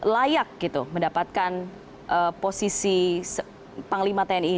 layak gitu mendapatkan posisi panglima tni